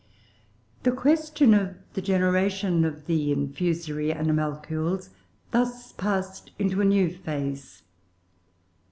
The question of the generation of the infusory animalcules thus passed into a new phase.